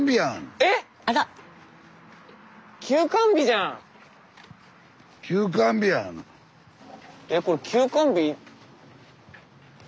えっこれ休館日。